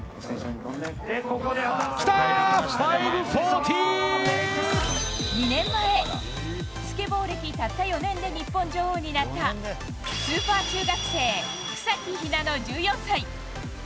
５４０！２年前、スケボー歴たった４年で日本女王になったスーパー中学生、草木ひなの１４歳。